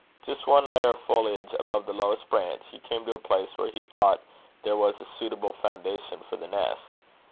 Just one layer of foliage above the lowest branches, he came to a place where he thought there was a suitable foundation for the nest.